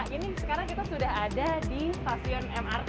ini sekarang kita sudah ada di stasiun mrt